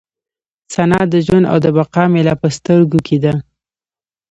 ثنا د ژوند او د بقا مې لا په سترګو کې ده.